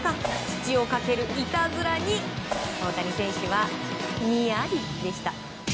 土をかけるいたずらに大谷選手は、ニヤリでした。